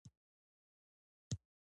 اور ګرم دی.